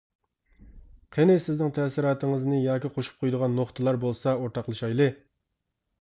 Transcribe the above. قېنى سىزنىڭ تەسىراتىڭىزنى ياكى قوشۇپ قويىدىغان نۇقتىلار بولسا ئورتاقلىشايلى!